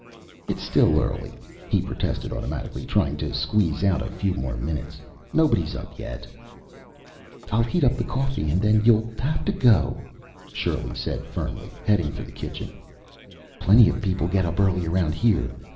"It's still early," he protested, automatically trying to squeeze out a few more minutes. "Nobody's up yet." "I'll heat up the coffee, and then you'll have to go," Shirley said firmly, heading for the kitchen. "Plenty of people get up early around here.